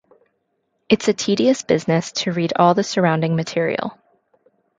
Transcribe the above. It's a tedious business to read all the surrounding material.